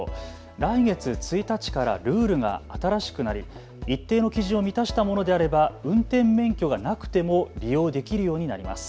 来月１日からルールが新しくなり一定の基準を満たしたものであれば運転免許がなくても利用できるようになります。